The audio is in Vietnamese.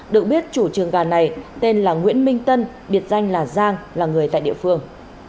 được biết chủ trường gà này tên là nguyễn minh tân biệt danh là giang là người tại địa phương